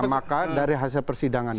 nah maka dari hasil persidangan itu